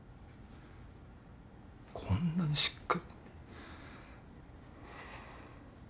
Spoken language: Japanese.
こんなにしっかり。